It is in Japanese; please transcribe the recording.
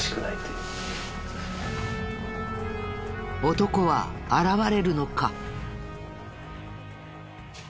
男は現れるのか？